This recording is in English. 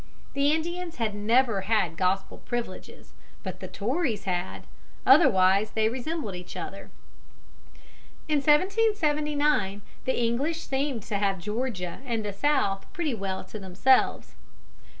The Indians had never had gospel privileges, but the Tories had. Otherwise they resembled each other. In 1779 the English seemed to have Georgia and the South pretty well to themselves.